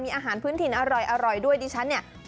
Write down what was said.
อาหารพื้นถิ่นอร่อยด้วยดิฉันเนี่ย